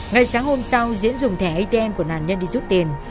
ngày sáng hôm sau diễn dùng thẻ atm của nạn nhân đi rút tiền